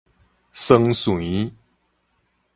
桑葚